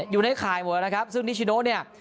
อยู่ในข่ายหมดแล้วครับซึ่งนิชิโนเนี่ย